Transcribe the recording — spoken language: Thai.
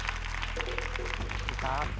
สวัสดีครับ